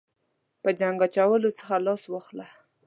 په جنګ اچولو څخه لاس واخله.